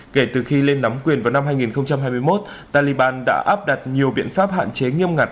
kể từ khi lên nắm quyền vào năm hai nghìn hai mươi một taliban đã áp đặt nhiều biện pháp hạn chế nghiêm ngặt